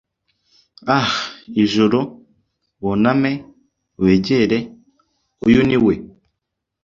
Ah ijuru, wuname, wegere! Uyu ni we,